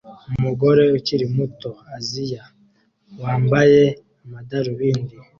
Umugore ukiri muto (Aziya) wambaye amadarubindi